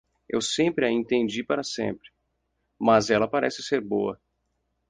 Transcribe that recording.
Eu sempre a entendi para sempre, mas ela parece ser boa.